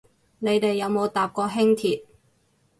你哋有冇搭過輕鐵